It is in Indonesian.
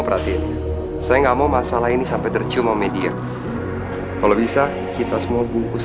perhatian saya nggak mau masalah ini sampai tercium sama media kalau bisa kita semua bungkus